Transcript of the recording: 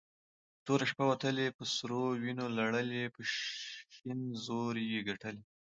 په توره شپه وتلې په سرو وينو لړلې په شين زور يي ګټلې